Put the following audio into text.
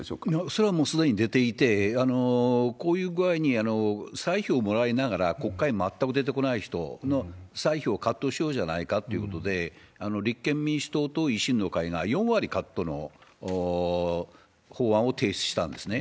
それはもうすでに出ていて、こういう具合に歳費をもらいながら、国会に全く出てこない人の歳費をカットしようじゃないかってことで、立憲民主党と維新の会が、４割カットの法案を提出したんですね。